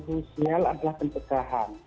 sosial adalah pencegahan